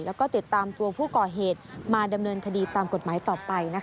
แล้วก็ติดตามตัวผู้ก่อเหตุมาดำเนินคดีตามกฎหมายต่อไป